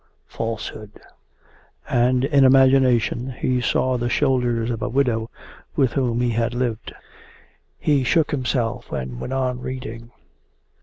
Falsehood!' And in imagination he saw the shoulders of a widow with whom he had lived. He shook himself, and went on reading.